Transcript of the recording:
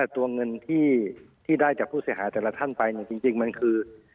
ตัวเงินที่ได้จากผู้เสียหายแต่ละท่านไปจริงมันคือ